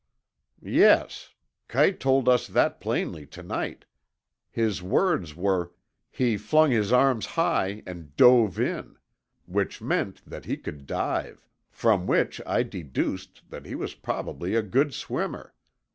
"Yes. Kite told us that plainly to night. His words were: 'He flung his arms high and dove in,' which meant that he could dive; from which I deduced that he was probably a good swimmer.